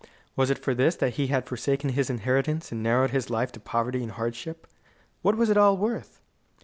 Was it for this that he had forsaken his inheritance and narrowed his life to poverty and hardship? What was it all worth?